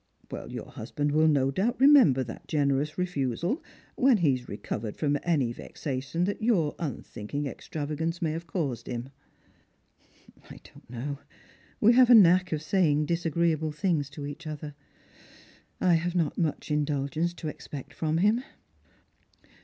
" Your husband will no doubt remember that generous refusal when he has recovered from any vexation your unthinking extravagance may have caused him." " I don't know. We have a knack of saying disagreeable things to each other. I have not much indulgence to expect from him.